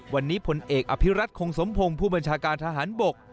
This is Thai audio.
วันนี้พลเอกอภิรัตคงสมพงศ์ผู้บัญชาการทหารบก